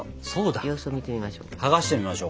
様子を見てみましょう。